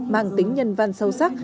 mang tính nhân văn sâu sắc